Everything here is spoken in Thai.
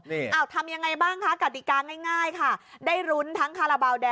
นี่อ่าวทำยังไงบ้างคะกติกาง่ายง่ายค่ะได้ทั้งคาราเบา